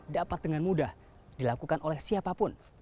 dapat dengan mudah dilakukan oleh siapapun